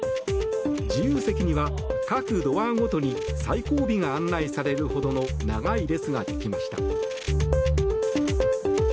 自由席には各ドアごとに最後尾が案内されるほどの長い列ができました。